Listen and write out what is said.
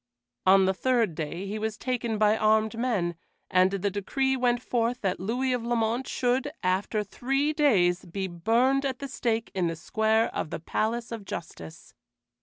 On the third day he was taken by armed men, and the decree went forth that Louis of Lamont should, after three days, be burned at the stake in the square of the Palace of Justice.